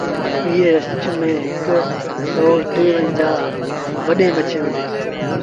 اُئي رڇ ميݩ هڪ سئو ٽيونجھآ وڏيݩٚ مڇيٚنٚ هُنٚدينٚ